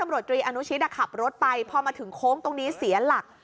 ตำรวจตรีอนุชิตขับรถไปพอมาถึงโค้งตรงนี้เสียหลัก